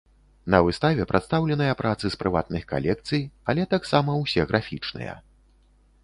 На выставе прадстаўленыя працы з прыватных калекцый, але таксама ўсе графічныя.